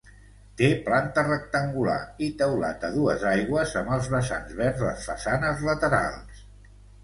Té planta rectangular i teulat a dues aigües amb els vessants vers les façanes laterals.